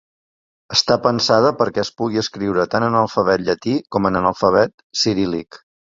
Està pensada perquè es pugui escriure tant en alfabet llatí com en alfabet ciríl·lic.